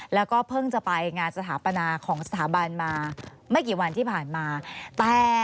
แล้วก็เพิ่งจะไปงานสถาปนาของสถาบันมาไม่กี่วันที่ผ่านมา